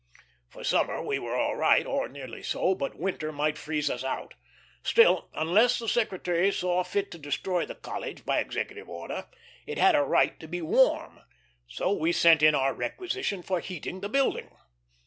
For summer we were all right, or nearly so; but winter might freeze us out. Still, unless the Secretary saw fit to destroy the College by executive order, it had a right to be warm; so we sent in our requisition for heating the building.